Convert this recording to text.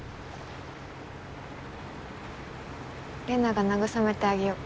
れなが慰めてあげよっか？